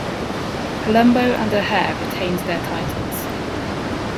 Palumbo and O'Haire retained their titles.